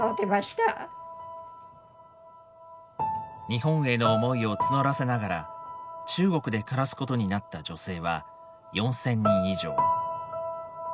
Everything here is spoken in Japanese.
日本への思いを募らせながら中国で暮らすことになった女性は４，０００人以上。